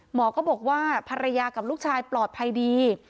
หมอก็บอกว่าภรรยากับลูกชายปลอดภัยดี